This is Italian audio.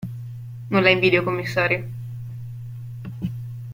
Non la invidio, commissario.